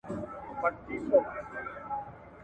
کارونه د زده کوونکي له خوا کېږي!.